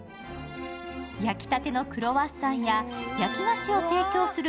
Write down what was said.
焼きたてのクロワッサンや焼き菓子を提供する